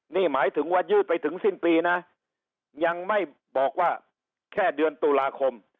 นี่หมายถึงว่ายืดไปถึงสิ้นปีนะยังไม่บอกว่าแค่เดือนตุลาคม